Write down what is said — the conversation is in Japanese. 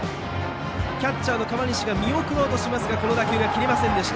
キャッチャーの河西が見送ろうとしましたがこの打球が切れませんでした。